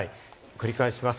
繰り返します。